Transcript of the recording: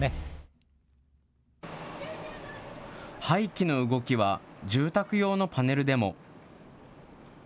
廃棄の動きは、住宅用のパネルでも。